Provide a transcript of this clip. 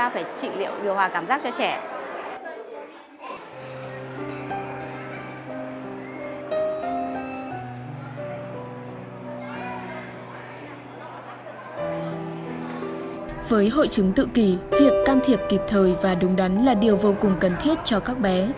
với hội chứng tự kỷ việc can thiệp kịp thời và đúng đắn là điều vô cùng cần thiết cho các bé